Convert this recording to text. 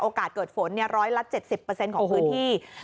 โอกาสเกิดฝนเนี่ยร้อยละเจ็ดสิบเปอร์เซ็นต์ของพื้นที่โอ้โห